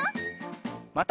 また。